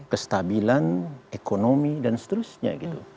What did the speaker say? kestabilan ekonomi dan seterusnya gitu